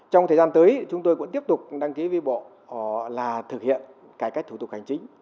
trong thời gian tới chúng tôi vẫn tiếp tục đăng ký với bộ là thực hiện cải cách thủ tục hành chính